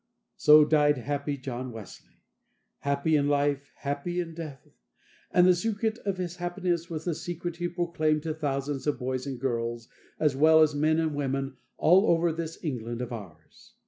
So died happy John Wesley. Happy in life, happy in death. And the secret of his happiness was the secret he proclaimed to thousands of boys and girls, as well as men and women, all over this England of ours.